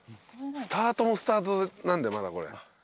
スタートもスタートなんでまだこれ。